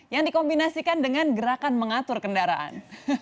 yang dikombinasikan dengan gerakan mengatur kendaraan